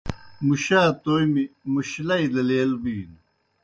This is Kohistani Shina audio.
مُشا تومیْ مُشلئی دہ لیل بِینوْ۔